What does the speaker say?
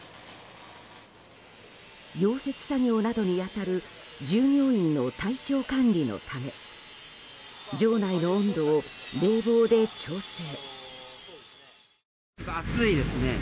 溶接作業などに当たる従業員の体調管理のため場内の温度を冷房で調整。